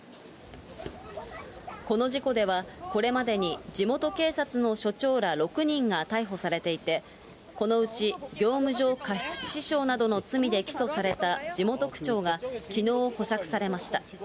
この事故では、これまでに地元警察の署長ら６人が逮捕されていて、このうち業務上過失致死傷などの罪で起訴された地元区長が、きのう、保釈されました。